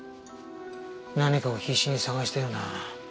何かを必死に探したような。